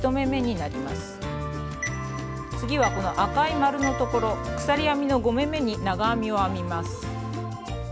次はこの赤い丸のところ鎖編みの５目めに長編みを編みます。